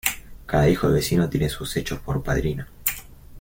Cada hijo de vecino tiene sus hechos por padrino.